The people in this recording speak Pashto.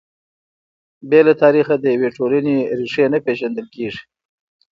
بې له تاریخه د یوې ټولنې ريښې نه پېژندل کیږي.